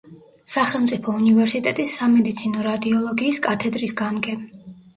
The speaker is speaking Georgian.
სახელმწიფო უნივერსიტეტის სამედიცინო რადიოლოგიის კათედრების გამგე.